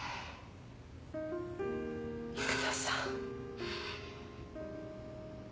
育田さん。